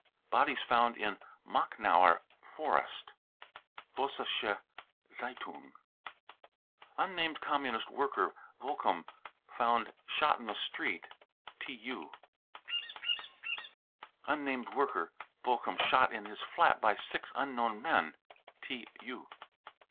Bodies found in Machnower Forest. ( Vossische Z e itung.) unnamed communist worker, Bochum, found shot in the street. ( 777 .) unnamed worker, Bochum, shot in his flat by six unknown men. {TU.)